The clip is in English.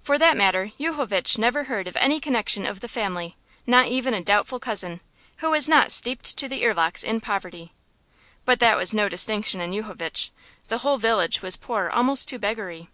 For that matter, Yuchovitch never heard of any connection of the family, not even a doubtful cousin, who was not steeped to the earlocks in poverty. But that was no distinction in Yuchovitch; the whole village was poor almost to beggary.